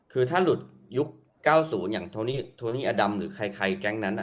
คือถ้าหลุดยุค๙๐อย่างโทนี่อดัมหรือใครแก๊งนั้น